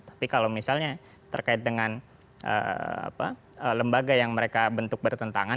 tapi kalau misalnya terkait dengan lembaga yang mereka bentuk bertentangan